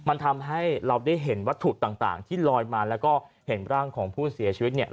มันทำให้เราได้เห็นวัตถุต่างที่ลอยมาแล้วก็เห็นร่างของผู้เสียชีวิตเนี่ย